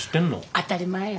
当たり前や。